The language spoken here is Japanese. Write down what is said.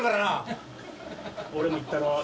俺もいったろ！